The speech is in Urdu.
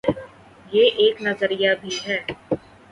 یہ ایک نظریہ بھی ہے۔